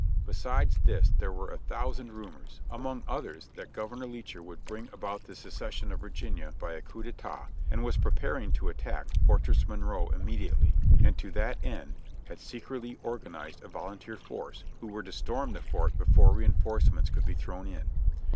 Besides this there were a thousand rumors; among others that Gov, Letcher would bring about the secession of Virginia by a coup d' etat, and was prepar ing to attack Fortress Monroe immediately, and to that end had secretly^ organized a volunteer force who were to storm the fort before reinforcements could be thrown in.